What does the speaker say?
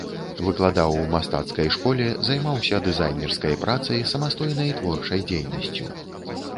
Выкладаў у мастацкай школе, займаўся дызайнерскай працай, самастойнай творчай дзейнасцю.